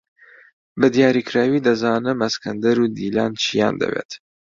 بەدیاریکراوی دەزانم ئەسکەندەر و دیلان چییان دەوێت.